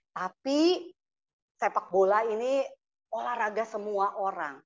tapi sepak bola ini olahraga semua orang